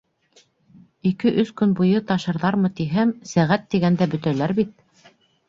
Ике-өс көн буйы ташырҙармы тиһәм, сәғәт тигәндә бөтәләр бит.